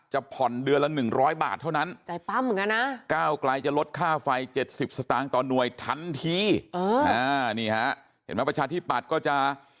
เห็นมั้ยประชาธิบัตรก็จะ